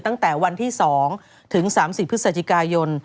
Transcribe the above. ตั้งแต่วันที่๒ถึง๓๐พฤศจิกายน